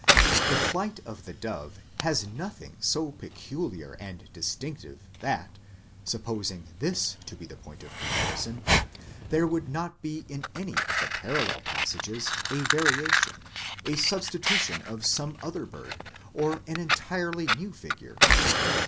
The flight of the dove has nothing so peculiar and distinctive, that, supposing this to be the point of comparison, there would not be in any of the parallel passages a variation, a substitution of some other bird, or an entirely new figure.